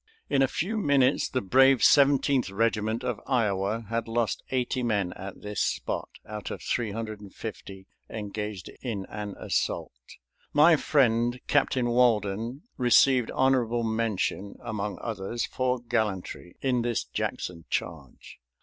In a few minutes the brave Seventeenth Regiment of Iowa had lost 80 men at this spot, out of 350 engaged in an assault. My friend Captain Walden received honorable mention, among others, for gallantry in this Jackson charge.